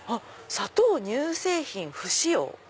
「砂糖乳製品不使用！」。